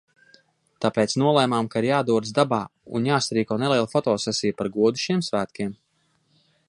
Tāpēc nolēmām, ka ir jādodas dabā un jāsarīko neliela fotosesija, par godu šiem svētkiem.